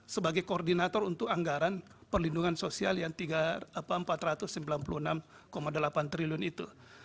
sebagai koordinator untuk anggaran perlindungan sosial yang rp empat ratus sembilan puluh enam delapan triliun itu